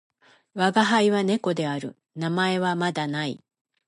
わがはいは猫である。名前はまだ無い。